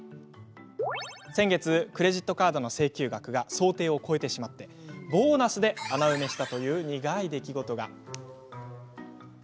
先月、クレジットカードの請求額が想定を超えてしまいボーナスで穴埋めしたという苦い出来事が。